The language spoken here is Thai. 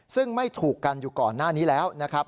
ซึ่งไม่ถูกกันอยู่ก่อนหน้านี้แล้วนะครับ